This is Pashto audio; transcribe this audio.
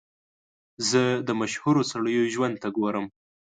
زه د مشهورو سړیو ژوند ته ګورم.